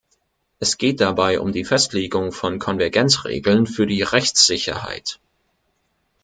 Es geht dabei um die Festlegung von Konvergenzregeln für die Rechtssicherheit.